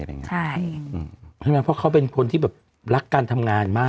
ใช่ไหมเพราะเขาเป็นคนที่แบบรักการทำงานมาก